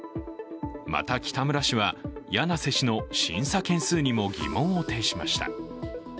また北村氏は柳瀬氏の審査件数にも疑問を呈しました。